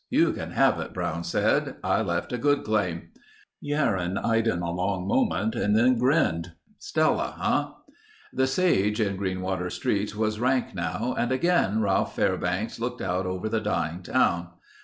"You can have it," Brown said. "I left a good claim." Yerrin eyed him a long moment, then grinned: "Stella, huh?" The sage in Greenwater streets was rank now and again Ralph Fairbanks looked out over the dying town.